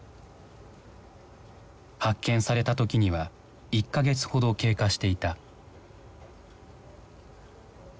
発見された時には１か月ほど経過していた。